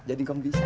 jadi engkau bisa